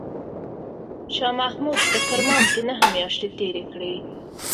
شاه محمود په کرمان کې نهه میاشتې تېرې کړې.